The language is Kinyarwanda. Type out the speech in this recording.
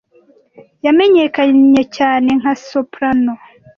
yamenyekanye cyane nka soprano